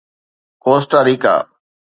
Costa ريڪا